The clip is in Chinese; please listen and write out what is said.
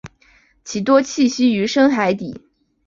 其多栖息于深海底。